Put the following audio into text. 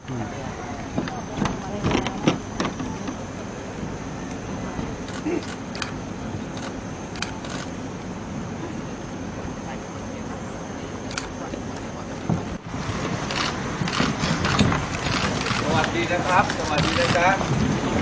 สวัสดีครับสวัสดีนะครับสวัสดีนะครับ